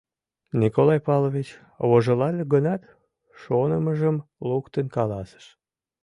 Николай Павлович вожылале гынат, шонымыжым луктын каласыш: